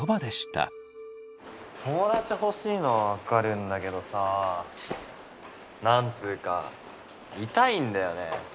友だち欲しいのは分かるんだけどさ何つうか痛いんだよね。